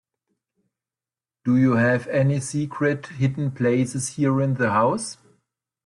Do you have any secret hiding place here in the house?